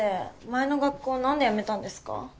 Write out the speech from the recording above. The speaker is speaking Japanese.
前の学校なんで辞めたんですか？